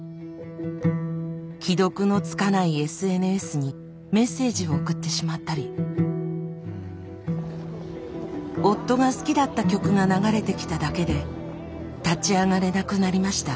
既読のつかないＳＮＳにメッセージを送ってしまったり夫が好きだった曲が流れてきただけで立ち上がれなくなりました。